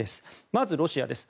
まず、ロシアです。